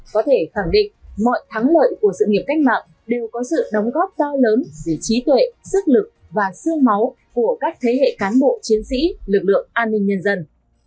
có thể khẳng định mọi thắng lợi của sự nghiệp cách mạng đều có sự đóng góp to lớn về trí tuệ sức lực và sương máu của các thế hệ cán bộ chiến sĩ lực lượng an ninh nhân dân